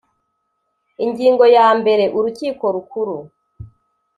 Ingingo ya mbere Urukiko Rukuru